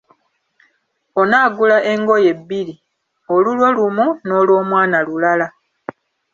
Onaagula engoye bbiri, olulwo lumu n'olw'omwana lulala.